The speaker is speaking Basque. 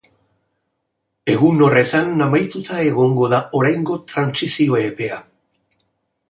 Egun horretan amaituta egongo da oraingo trantsizio epea.